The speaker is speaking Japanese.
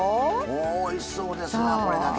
おいしそうですなこれだけで。